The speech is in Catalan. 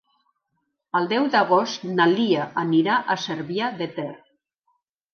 El deu d'agost na Lia anirà a Cervià de Ter.